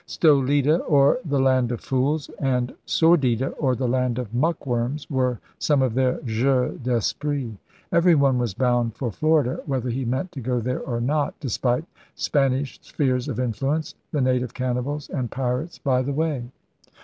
Stolida, or the land of fools, and Sordida, or the land of muck worms, were some of their jeux d' esprit Everyone was * bound for Florida, ' whether he meant to go there or not, despite Spanish spheres of influence, the native cannibals, and pirates by the way.